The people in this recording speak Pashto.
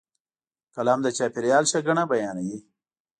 قلم د چاپېریال ښېګڼه بیانوي